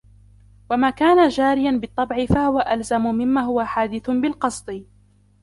وَمَا كَانَ جَارِيًا بِالطَّبْعِ فَهُوَ أَلْزَمُ مِمَّا هُوَ حَادِثٌ بِالْقَصْدِ